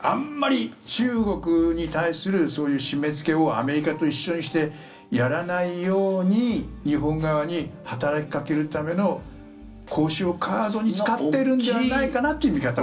あんまり中国に対するそういう締めつけをアメリカと一緒にしてやらないように日本側に働きかけるための交渉カードに使ってるのではないかなという見方もある。